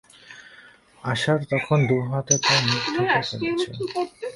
আশার তখন দুহাতে তার মুখ ঢেকে ফেলেছে।